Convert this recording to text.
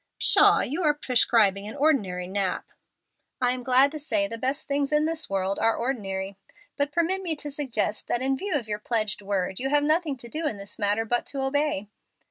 "Pshaw! you are prescribing an ordinary nap." "I am glad to say the best things in this world are ordinary. But permit me to suggest that in view of your pledged word you have nothing to do in this matter but to obey."